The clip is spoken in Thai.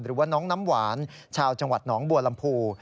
หรือว่าน้องน้ำหวานชาวจังหวัดหนองบัวลำพู